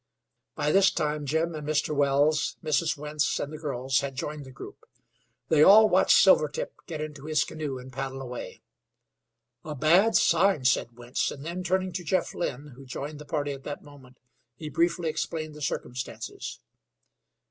By this time Jim and Mr. Wells, Mrs. Wentz and the girls had joined the group. They all watched Silvertip get into his canoe and paddle away. "A bad sign," said Wentz, and then, turning to Jeff Lynn, who joined the party at that moment, he briefly explained the circumstances.